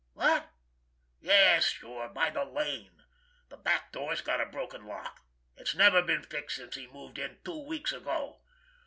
What?... Yes, sure—by the lane.... The back door's got a broken lock—it's never been fixed since he moved in two weeks ago.